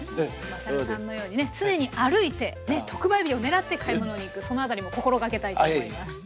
まさるさんのようにね常に歩いてね特売日を狙って買い物に行くその辺りも心掛けたいと思います。